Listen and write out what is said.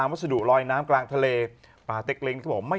ครับโอะเคแหละ